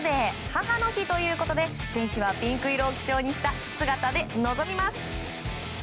母の日ということで選手はピンク色を基調にした姿で臨みます。